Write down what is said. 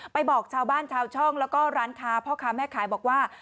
บอกชาวบ้านชาวช่องแล้วก็ร้านค้าพ่อค้าแม่ขายบอกว่า